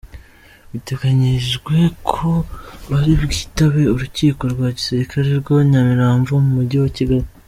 Biteganyijwe ko bari bwitabe Urukiko rwa gisirikare rwa Nyamirambo mu mujyi wa Kigali.